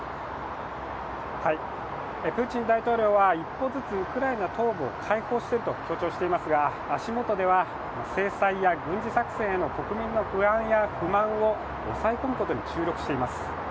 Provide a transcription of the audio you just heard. プーチン大統領は一歩ずつウクライナ東部を解放していると強調していますが、足元では制裁や軍事作戦への国民の不安や不満を抑え込むことに注力しています。